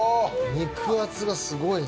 肉厚がすごい。